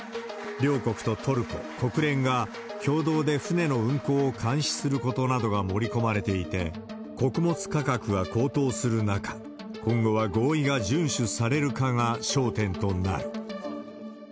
両国とトルコ、国連が、共同で船の運航を監視することなどが盛り込まれていて、穀物価格が高騰する中、今後は合意が順守されるかが焦点となる。